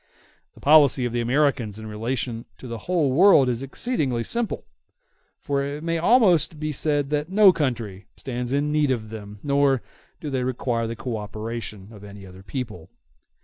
The policy of the Americans in relation to the whole world is exceedingly simple; for it may almost be said that no country stands in need of them, nor do they require the co operation of any other people.